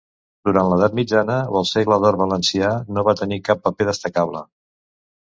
Durant l'edat mitjana o el Segle d'Or valencià no va tenir cap paper destacable.